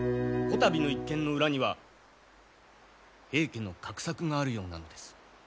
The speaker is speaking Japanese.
こたびの一件の裏には平家の画策があるようなのです。